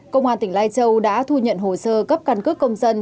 công an tỉnh lai châu đã thu nhận hồ sơ cấp căn cước công dân